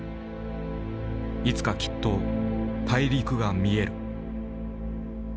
いつかきっと大陸が見える」。